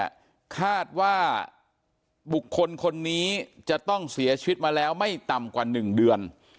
จากการตรวจสอบเบื้องต้นคาดว่าบุคคลคนนี้จะต้องเสียชีวิตมาแล้วไม่ต่ำกว่า๑เดือน